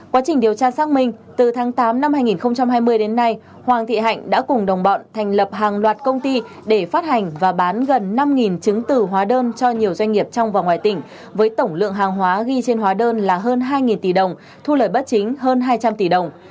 quá trình điều tra xác minh từ tháng tám năm hai nghìn hai mươi đến nay hoàng thị hạnh đã cùng đồng bọn thành lập hàng loạt công ty để phát hành và bán gần năm chứng từ hóa đơn cho nhiều doanh nghiệp trong và ngoài tỉnh với tổng lượng hàng hóa ghi trên hóa đơn là hơn hai tỷ đồng thu lời bất chính hơn hai trăm linh tỷ đồng